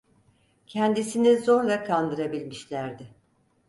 Kendisini zorla kaldırabilmişlerdi.